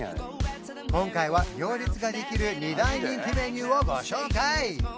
今回は行列ができる２大人気メニューをご紹介